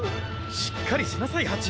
しっかりしなさいハチ！